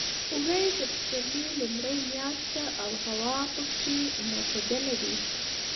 وری د پسرلي لومړۍ میاشت ده او هوا پکې معتدله وي.